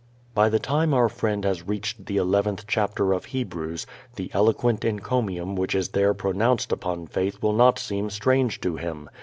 By the time our friend has reached the eleventh chapter of Hebrews the eloquent encomium which is there pronounced upon faith will not seem strange to him.